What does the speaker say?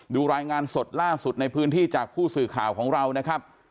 รายงานสดล่าสุดในพื้นที่จากผู้สื่อข่าวของเรานะครับ